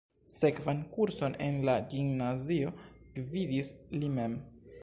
Sekvan kurson en la gimnazio gvidis li mem.